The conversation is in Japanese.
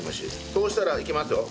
そうしたらいきますよ。